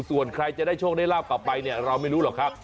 ส่วนใครจะได้โชคได้ลาบกลับไปเนี่ยเราไม่รู้หรอกครับ